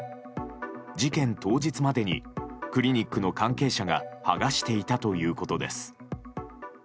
事件当日までにクリニックの関係者が剥がしていたということです。